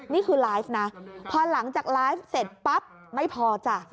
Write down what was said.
นี่คือไลฟ์นะพอหลังจากไลฟ์เสร็จปั๊บไม่พอจ้ะ